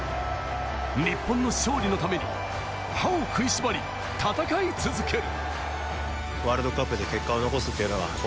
日本の勝利のために歯を食い縛り、戦い続ける。